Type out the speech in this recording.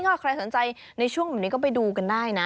ถ้าใครสนใจในช่วงแบบนี้ก็ไปดูกันได้นะ